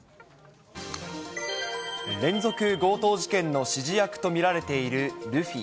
連続強盗事件の指示役と見られているルフィ。